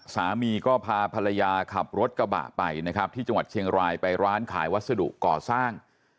สามีก็พาภรรยาขับรถกระบะไปนะครับที่จังหวัดเชียงรายไปร้านขายวัสดุก่อสร้าง